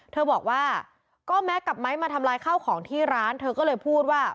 เธอบอกว่าก็แม็กซ์กับไม้มาทำลายข้าวของที่ร้านเธอก็เลยพูดว่า